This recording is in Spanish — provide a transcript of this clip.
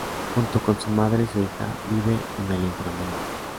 Junto con su madre y su hija, vive en el inframundo.